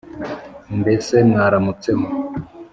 Mbese mwaramutseho?